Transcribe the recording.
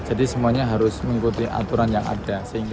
jadi semuanya harus mengikuti aturan yang ada